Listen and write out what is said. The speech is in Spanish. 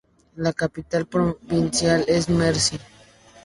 La capital provincial es Mersin.